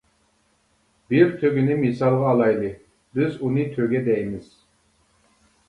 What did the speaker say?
بىر تۆگىنى مىسالغا ئالايلى، بىز ئۇنى تۆگە دەيمىز.